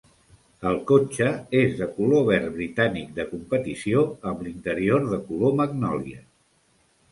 El cotxe és de color verd britànic de competició amb l'interior de color magnòlia.